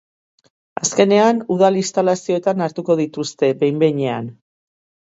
Azkenean, udal instalazioetan hartuko dituzte, behin behinean.